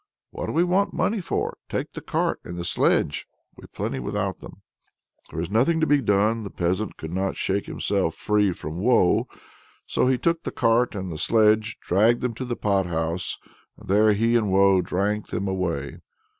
"What do we want money for? Take the cart and the sledge; we've plenty without them." There was nothing to be done; the peasant could not shake himself free from Woe. So he took the cart and the sledge, dragged them to the pot house, and there he and Woe drank them away.